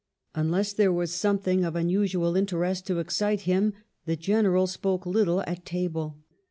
" Unless there was something of unusual interest to excite him the General spoke little at table."